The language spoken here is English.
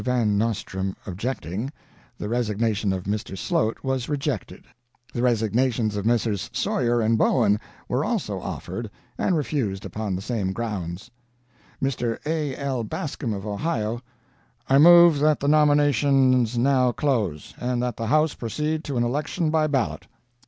VAN NOSTRAND objecting, the resignation of Mr. Slote was rejected. The resignations of Messrs. Sawyer and Bowen were also offered, and refused upon the same grounds. "MR. A. L. BASCOM of Ohio: 'I move that the nominations now close, and that the House proceed to an election by ballot.'